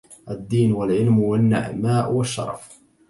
الدين والعلم والنعماء والشرف